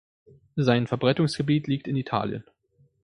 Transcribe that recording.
Sein Verbreitungsgebiet liegt in Italien.